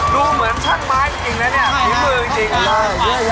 ดูเหมือนช่างไม้จริงแล้วเนี่ย